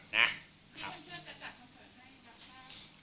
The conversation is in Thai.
นะครับ